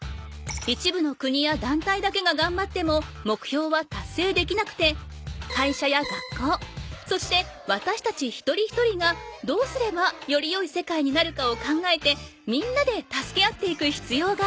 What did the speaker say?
一部の国やだんたいだけががんばってももくひょうはたっせいできなくて会社や学校そしてわたしたち一人一人がどうすればよりよい世界になるかを考えてみんなで助け合っていくひつようがあるの。